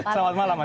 selamat malam mas